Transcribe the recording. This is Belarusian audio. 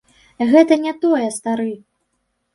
Гэта не тое, стары.